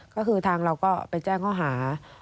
ก็คือทางเราก็ไปแจ้งข้อหา